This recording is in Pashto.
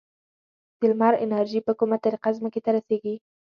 د لمر انرژي په کومه طریقه ځمکې ته رسیږي؟